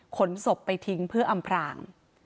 ขนศพไปทิ้งเพื่ออำพราง